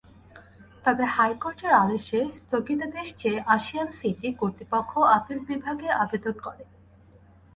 তবে হাইকোর্টের আদেশে স্থগিতাদেশ চেয়ে আশিয়ান সিটি কর্তৃপক্ষ আপিল বিভাগে আবেদন করে।